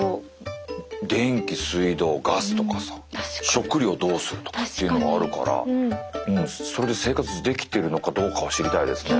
食料をどうするとかっていうのもあるからそれで生活できてるのかどうかを知りたいですね。